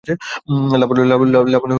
লাবণ্য চুপ করে রইল।